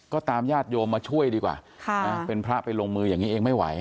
ก็ตามญาติโยมมาช่วยดีกว่าเป็นพระไปลงมืออย่างนี้เองไม่ไหว